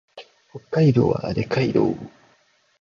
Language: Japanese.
北海道小清水町